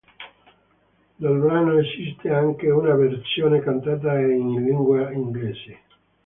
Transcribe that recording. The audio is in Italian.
Del brano esiste anche una versione cantata in lingua inglese.